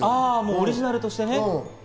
オリジナルとしてね。